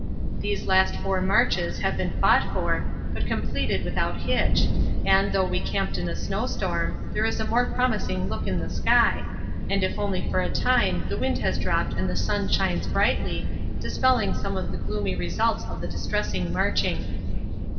These last four marches have been fought for, but completed without hitch, and, though we camped in a snowstorm, there is a more promising look in the sky, and if only for a time the wind has dropped and the sun shines brightly, dispelling some of the gloomy results of the distressing marching.